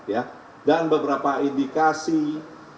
ya dan beberapa indikasi